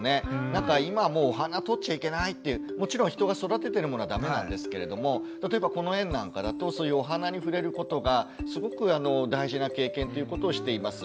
なんか今もうお花とっちゃいけないってもちろん人が育ててるものはダメなんですけれども例えばこの園なんかだとそういうお花に触れることがすごく大事な経験ということをしています。